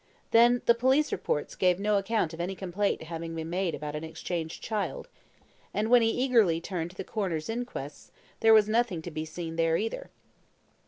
Then the police reports gave no account of any complaint having been made about an exchanged child, and when he eagerly turned to the coroner's inquests there was nothing to be seen there either.